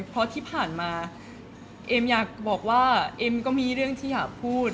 เพราะที่ผ่านมาเอ็มอยากบอกว่าเอ็มก็มีเรื่องที่อยากพูด